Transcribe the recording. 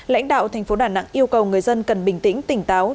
lãnh đạo tp đà nẵng yêu cầu người dân cần bình tĩnh tỉnh táo